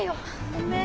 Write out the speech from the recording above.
ごめん。